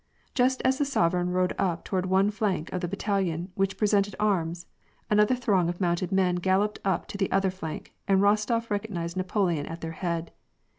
Just as the sovereign rode up toward one flank of the bat talion, which presented arms, another throng of mounted men galloped up to the other flank, and Rostof recognized Napoleon at their head.